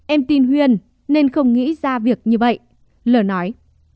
em tin huyên nên không nghĩ ra việc như vậy lờ nói